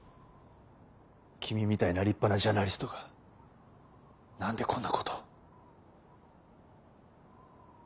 君みたいな立派なジャーナリストが何でこんなこと。